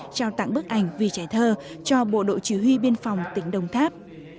trao tặng bức ảnh vì trẻ thơ cho bộ đội chỉ huy biên phòng tỉnh đồng tháp